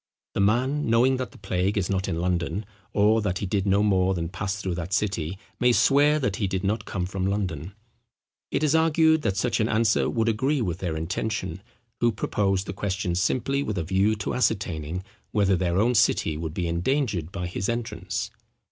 The man, knowing that the plague is not in London, or that he did no more than pass through that city, may swear that he did not come from London. It is argued, that such an answer would agree with their intention, who proposed the question simply with a view to ascertaining, whether their own city would be endangered by his entrance.